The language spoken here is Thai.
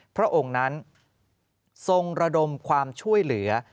พระองค์นั้นทรงระดมความช่วยเหลือ